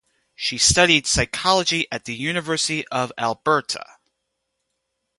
She studied psychology at the University of Alberta.